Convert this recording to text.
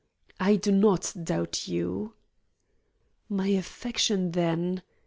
"I do not doubt you." "My affection, then?"